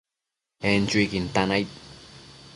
En chuiquin tan aid